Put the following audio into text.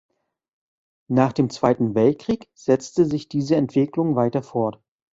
Nach dem Zweiten Weltkrieg setzte sich diese Entwicklung weiter fort.